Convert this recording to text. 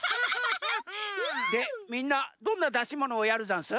でみんなどんなだしものをやるざんす？